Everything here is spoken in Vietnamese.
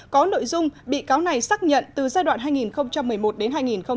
có nội dung bị cáo này xác nhận từ giai đoạn hai nghìn một mươi một đến hai nghìn một mươi bảy